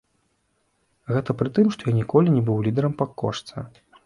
Гэта пры тым, што я ніколі не быў лідэрам па кошце.